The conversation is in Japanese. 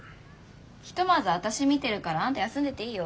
ひとまず私見てるからあんた休んでていいよ。